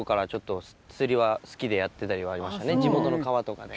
地元の川とかで。